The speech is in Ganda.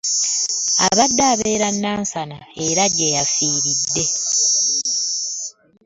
Abadde abeera Nansana era gye yafiiridde.